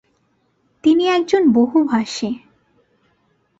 তিনি একজন বহুভাষি।